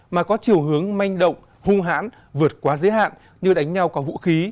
mà có chiều hướng manh động hung hãn vượt quá giới hạn như đánh nhau có vũ khí